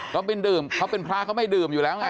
ก็ไปดื่มเขาเป็นพระเขาไม่ดื่มอยู่แล้วไง